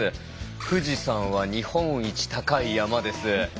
「富士山は日本一高い山です」。